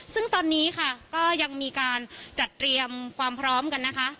ซึ่งตอนนี้ค่ะก็ยังมีการจัดเตรียมความพร้อมกันนะคะ